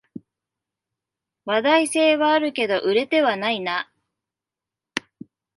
話題性はあるけど売れてはないな